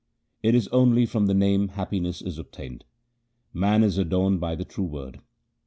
It is only from the Name happiness is obtained ; man is adorned by the true Word.